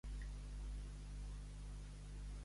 Modèstia extremada i talent amagat és un pecat.